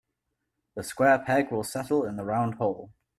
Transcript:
The square peg will settle in the round hole.